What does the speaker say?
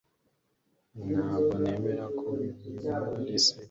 ntabwo nemera ko habimana ari sekuru